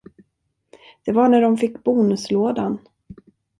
Det var när de fick bonuslådan.